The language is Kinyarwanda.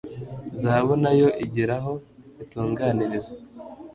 zahabu na yo igira aho itunganirizwa